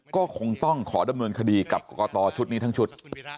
ก็คงต้องขอดำเนินคดีกับกรกตชุดนี้ทั้งชุด